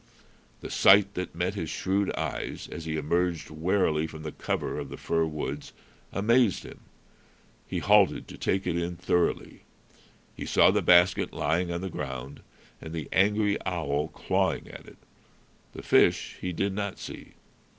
The sight that met his shrewd eyes, as he emerged warily from the cover of the fir woods, amazed him. He halted to take it in thoroughly. He saw the basket lying on the ground, and the angry owl clawing at it. The fish he did not see.